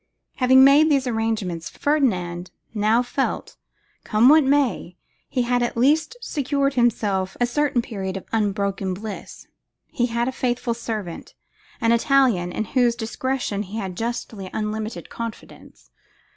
Having made these arrangements, Ferdinand now felt that, come what might, he had at least secured for himself a certain period of unbroken bliss. He had a faithful servant, an Italian, in whose discretion he had justly unlimited confidence.